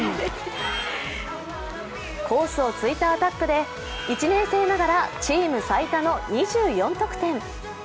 コースを突いたアタックで１年生ながらチーム最多の２４得点。